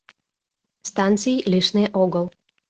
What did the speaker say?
Станций лишне огыл.